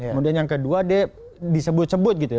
kemudian yang kedua dia disebut sebut gitu ya